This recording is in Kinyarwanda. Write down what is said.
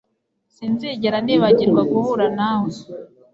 Sinzigera nibagirwa guhura nawe